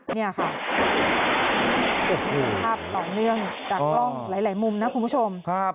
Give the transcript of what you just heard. ต่อเนื่องจากล่องหลายมุมนะคุณผู้ชม